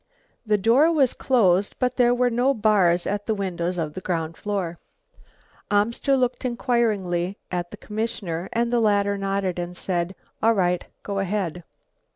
The door was closed but there were no bars at the windows of the ground floor. Amster looked inquiringly at the commissioner and the latter nodded and said, "All right, go ahead."